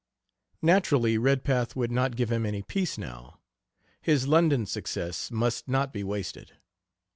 Naturally Redpath would not give him any peace now. His London success must not be wasted.